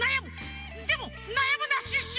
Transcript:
でもなやむなシュッシュ！